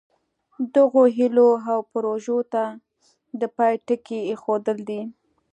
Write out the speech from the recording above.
دغو هیلو او پروژو ته د پای ټکی ایښودل دي.